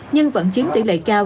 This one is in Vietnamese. nhưng vẫn chiếm tỷ lệ cao